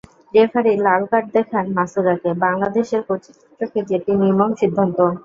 Referee লাল card দেখান মাসুরাকে, বাংলাদেশের কোচের চোখে যেটি নির্মম সিদ্ধান্ত।